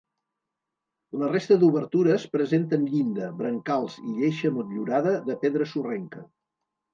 La resta d'obertures presenten llinda, brancals i lleixa motllurada de pedra sorrenca.